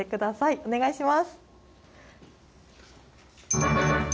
お願いします。